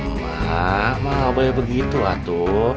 mama mama apa yang begitu atu